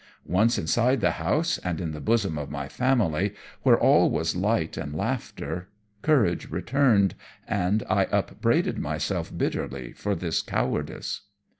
Once inside the house, and in the bosom of my family, where all was light and laughter, courage returned, and I upbraided myself bitterly for this cowardice.